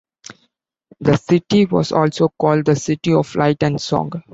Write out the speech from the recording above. The city was also called "The City of Light and Song".